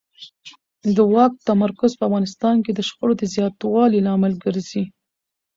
د واک تمرکز په افغانستان کې د شخړو د زیاتوالي لامل ګرځي